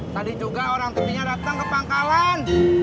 tadi juga orang tebingnya datang ke pangkalan